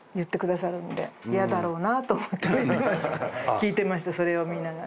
聞いてましたそれを見ながら。